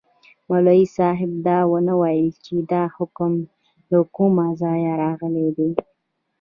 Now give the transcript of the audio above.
مولوي صاحب دا ونه ویل چي دا حکم له کومه ځایه راغلی دی.